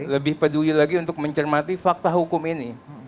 lebih peduli lagi untuk mencermati fakta hukum ini